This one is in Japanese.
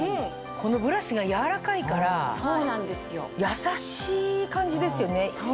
このブラシが柔らかいから優しい感じですよね。